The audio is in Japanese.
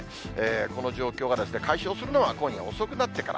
この状況が解消するのは今夜遅くなってから。